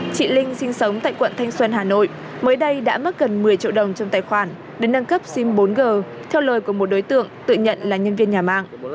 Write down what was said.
chị linh sinh sống tại quận thanh xuân hà nội mới đây đã mất gần một mươi triệu đồng trong tài khoản để nâng cấp sim bốn g theo lời của một đối tượng tự nhận là nhân viên nhà mạng